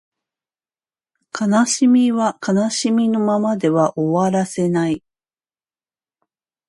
悲しみは悲しみのままでは終わらせない